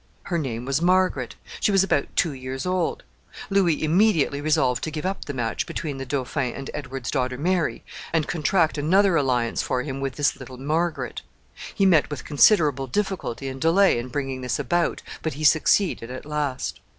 Her name was Margaret. She was about two years old. Louis immediately resolved to give up the match between the dauphin and Edward's daughter Mary, and contract another alliance for him with this little Margaret. He met with considerable difficulty and delay in bringing this about, but he succeeded at last.